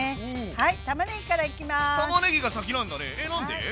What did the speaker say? はい。